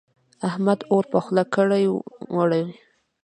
احمد اور په خوله کړې وړي.